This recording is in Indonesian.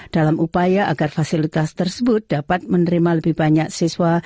dalam upaya agar fasilitas tersebut dapat menerima lebih banyak siswa